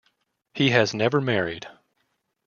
He was never married.